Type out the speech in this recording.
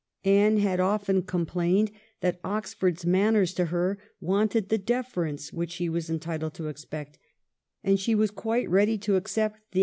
Anne had often complained that Oxford's manners to her wanted the deference which she was entitled to expect, and she was quite ready to accept the 334 THE BEIGN OP QUEEN ANNE.